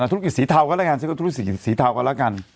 ธุรกิจสีเทาก็แล้วกันฉันก็ธุรกิจสีเทากันแล้วกัน